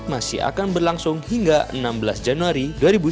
masih akan berlangsung hingga enam belas januari dua ribu sembilan belas